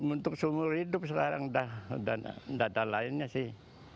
untuk seumur hidup sekarang sudah tidak ada lainnya sih